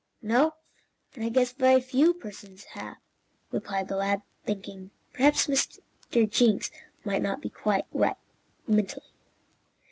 "No, and I guess very few persons have." replied the lad, thinking perhaps Mr. Jenks might not be quite right, mentally.